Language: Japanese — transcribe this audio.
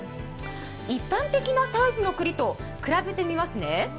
一般的なサイズのくりと比べてみますね。